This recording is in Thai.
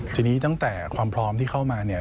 ทีนี้ตั้งแต่ความพร้อมที่เข้ามาเนี่ย